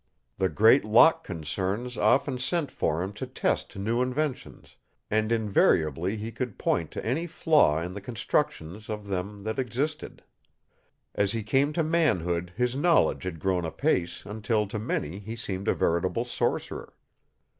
The great lock concerns often sent for him to test new inventions, and invariably he could point to any flaw in the constructions of them that existed. As he came to manhood his knowledge had grown apace until to many he seemed a veritable sorcerer.